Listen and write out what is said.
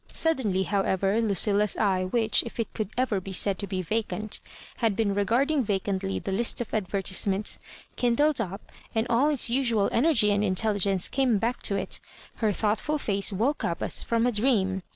Sud denly, however, Ludlla's eye, which, if it could ever be said to be vacant, had been regarding vacantly the list of advertisements, kindled up^ and all its usual energy and intelligence came back to it. Her thoughtful face woke up as from a dream.